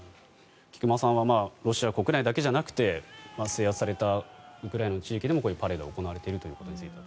菊間さんはロシア国内だけじゃなくて制圧されたウクライナの地域でもこういうパレードが行われているということについては。